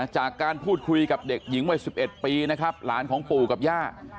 จากการพูดคุยกับเด็กหญิงวัย๑๑ปีนะครับหลานของปู่กับย่า